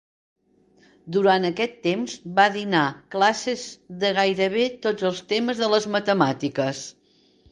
Durant aquest temps va dinar classes de gairebé tots els temes de les matemàtiques.